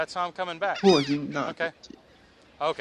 霍金大見解